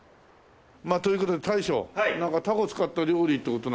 まあという事で大将たこを使った料理って事なのよ。